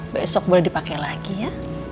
besok boleh dipakai lagi ya